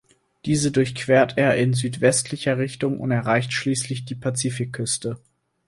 Diese durchquert er in südsüdwestlicher Richtung und erreicht schließlich die Pazifikküste.